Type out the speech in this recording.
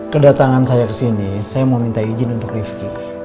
kedatangan saya ke sini saya mau minta izin untuk rifki